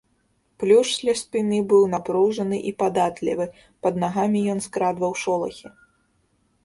Плюш ля спіны быў напружаны і падатлівы, пад нагамі ён скрадваў шолахі.